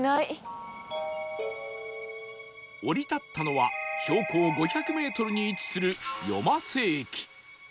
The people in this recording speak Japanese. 降り立ったのは標高５００メートルに位置する夜間瀬駅